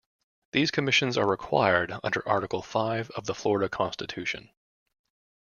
These commissions are required under Article Five of the Florida Constitution.